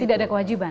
tidak ada kewajiban